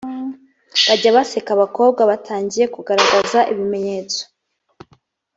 bajya baseka abakobwa batangiye kugaragaza ibimenyetso